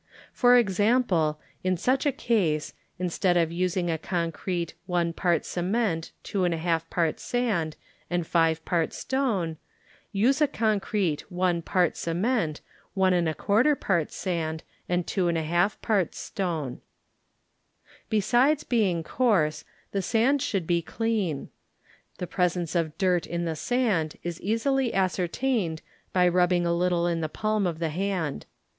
For example, in such a case, instead >f using a concrete 1 part ce ment, 2^ parts sand and 5 parts stone, use a concrete 1 part cement, 1^ parts sand and 2^ parts stone. Besides being coarse, the sand should be clean. The presence of dirt in the sand is easily ascertained by rubbing a little in the palm of the hand.